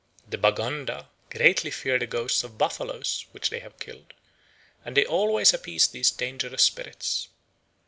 The Baganda greatly fear the ghosts of buffaloes which they have killed, and they always appease these dangerous spirits.